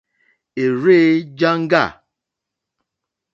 È rzênjāŋɡâ.